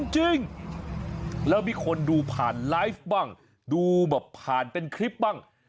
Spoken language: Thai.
จริงแล้วมีคนดูผ่านไลฟ์บ้างดูแบบผ่านเป็นคลิปบ้าง